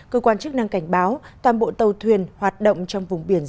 cơ quan chức năng cảnh báo toàn bộ tàu thuyền hoạt động trong vùng biển